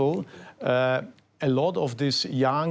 เราสามารถเอาไทย